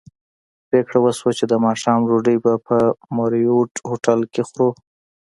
پرېکړه وشوه چې د ماښام ډوډۍ به په مریوټ هوټل کې خورو.